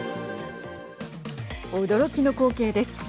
驚きの光景です。